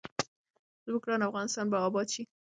زموږ ګران افغانستان به اباد شي.